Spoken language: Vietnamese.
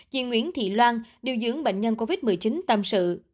chị nguyễn thị loan điều dưỡng bệnh nhân covid một mươi chín tâm sự